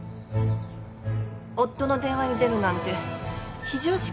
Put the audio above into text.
夫の電話に出るなんて非常識ですね。